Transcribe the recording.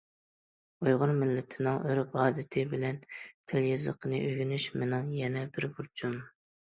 ئۇيغۇر مىللىتىنىڭ ئۆرپ- ئادىتى بىلەن تىل- يېزىقىنى ئۆگىنىش مىنىڭ يەنە بىر بۇرچۇم.